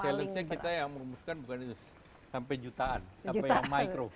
challenge nya kita yang merumuskan bukan itu sampai jutaan sampai yang micro